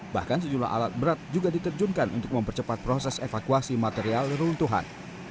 bahkan sejumlah alat berat juga diterjunkan untuk mempercepat proses evakuasi material reruntuhan